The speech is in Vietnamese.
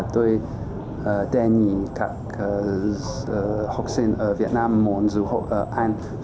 tôi đề nghị các học sinh ở việt nam muốn du học ở anh